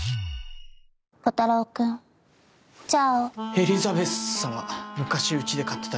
エリザベスさま昔うちで飼ってた猫。